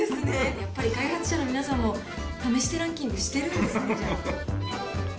やっぱり開発者の皆さんも試してランキングしてるんですね。